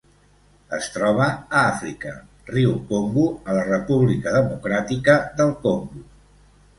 Es troba a Àfrica: riu Congo a la República Democràtica del Congo.